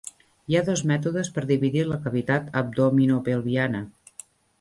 Hi ha dos mètodes per dividir la cavitat abdominopelviana.